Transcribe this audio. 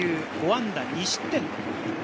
５安打２失点。